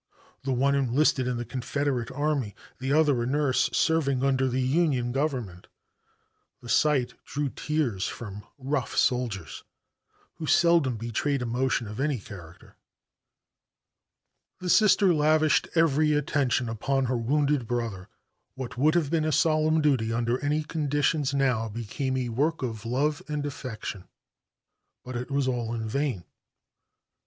The one enlisted in the Confederate army, the other a nurse serving under the Union Government. The sight drew tears from rough soldiers who seldom betrayed emotion of any character. The Sister lavished every attention upon her wounded brother. What would have been a solemn duty under any conditions now became a work of love and affection. But it was all in vain.